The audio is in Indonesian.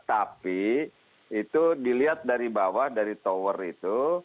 tapi itu dilihat dari bawah dari tower itu